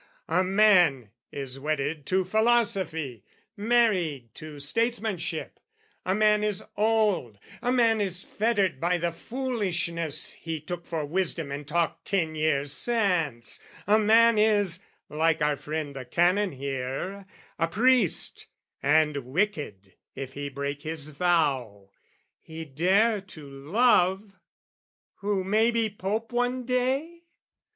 A man is wedded to philosophy, Married to statesmanship; a man is old; A man is fettered by the foolishness He took for wisdom and talked ten years since; A man is, like our friend the Canon here, A priest, and wicked if he break his vow: He dare to love, who may be Pope one day?